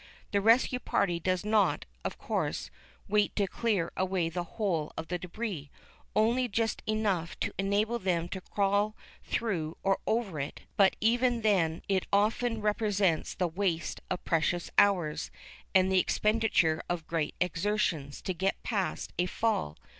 The rescue party do not, of course, wait to clear away the whole of this debris, only just enough to enable them to crawl through or over it, but even then it often represents the waste of precious hours, and the expenditure of great exertions, to get past a "fall."